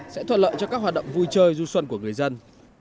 sẽ thuận lợi cho các hoạt động vui chơi du xuân của người dân